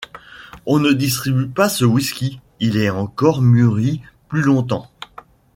On ne distribue pas ce whisky, il est encore mûri plus longtemps.